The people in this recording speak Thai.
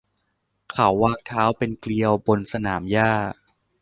เขาวางเท้าเป็นเกลียวบนสนามหญ้า